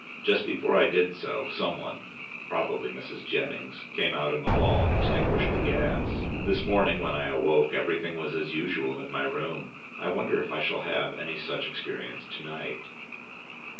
Just before I did so, some one, probably Mrs. Jennings, came out in the hall and extinguished the gas. This morning when I awoke everything was as usual in my room. I wonder if I shall have any such experience to night.